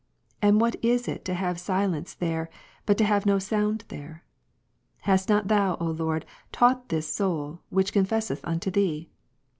And what is it to have silence there, but to have no sound thei'e ? Hast not Thou, O Lord, taught this soul, which confesseth unto Thee